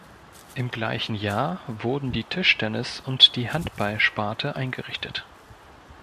Im gleichen Jahr wurden die Tischtennis- und die Handball- Sparte eingerichtet.